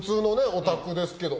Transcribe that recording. お宅ですけど。